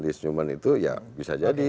liz newman itu ya bisa jadi